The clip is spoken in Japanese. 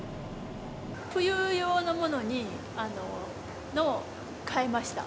冬用のものにかえました、